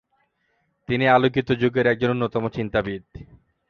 তিনি আলোকিত যুগের একজন অন্যতম চিন্তাবিদ।